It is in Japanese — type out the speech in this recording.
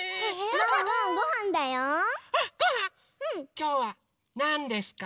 きょうはなんですか？